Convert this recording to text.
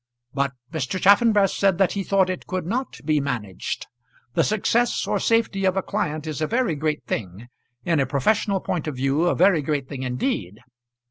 But Mr. Chaffanbrass said that he thought it could not be managed. The success or safety of a client is a very great thing; in a professional point of view a very great thing indeed.